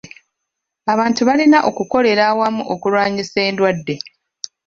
Abantu balina okukolera awamu okulwanyisa endwadde.